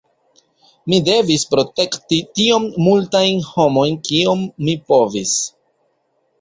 Mi devis protekti tiom multajn homojn kiom mi povis".